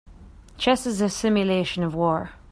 Chess is a simulation of war.